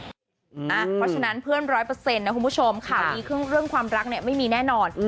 เพราะฉะนั้นเพื่อนร้อยเปอร์เซ็นต์นะคุณผู้ชมข่าวดีเรื่องความรักไม่มีแน่นอน